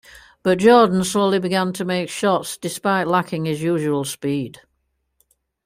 But Jordan slowly began to make shots despite lacking his usual speed.